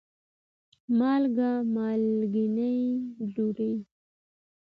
مالګه : مالګېنه ډوډۍ